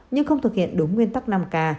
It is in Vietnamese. nhưng không thực hiện đúng nguyên tắc năm k